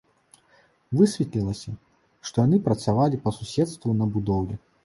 Высветлілася, што яны працавалі па суседству на будоўлі.